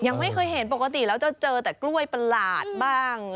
ยังไม่เคยเห็นปกติแล้วจะเจอแต่กล้วยประหลาดบ้าง